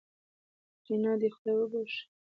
کاتېرينا دې خداى وبښي.